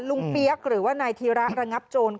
เปี๊ยกหรือว่านายธีระระงับโจร